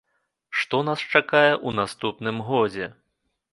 Што нас чакае ў наступным годзе?